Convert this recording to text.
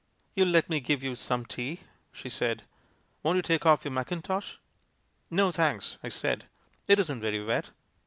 'You'll let me give you some tea?' she said. 'Won't you take off your mack intosh?' " 'No, thanks,' I said; 'it isn't very wet.'